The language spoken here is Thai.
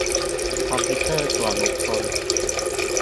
คอมพิวเตอร์ส่วนบุคคล